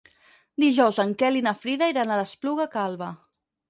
Dijous en Quel i na Frida iran a l'Espluga Calba.